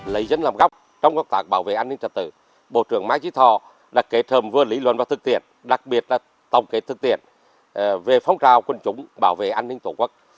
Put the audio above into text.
lấy dân làm góc trong các tác bảo vệ an ninh trật tự bộ trưởng ma chí thọ đã kể thơm vừa lý luận và thực tiện đặc biệt là tổng kết thực tiện về phong trào quân chủng bảo vệ an ninh tổ quốc